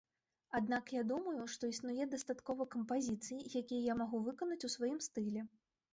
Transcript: Аднак я думаю, што існуе дастаткова кампазіцый, якія я магу выканаць у сваім стылі.